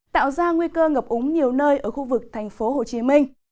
tạo ra nguy cơ ngập úng nhiều nơi ở khu vực thành phố hồ chí minh